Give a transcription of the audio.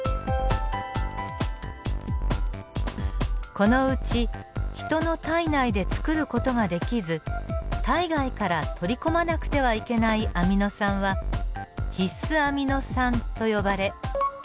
このうちヒトの体内でつくる事ができず体外から取り込まなくてはいけないアミノ酸は必須アミノ酸と呼ばれ９種類あります。